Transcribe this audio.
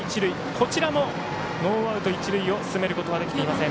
こちらもノーアウト、一塁を進めることができていません。